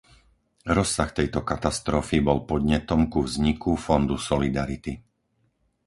Rozsah tejto katastrofy bol podnetom ku vzniku Fondu solidarity.